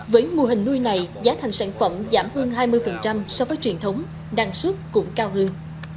với mô hình nuôi này giá thành sản phẩm giảm hơn hai mươi so với truyền thống đăng suất cũng cao hơn